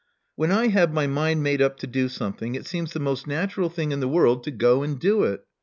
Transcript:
When I have my mind made up to do something, it seems the most natural thing in the world to go and do it.